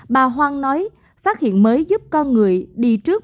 bà hoang nói phát hiện mới giúp con người đi trước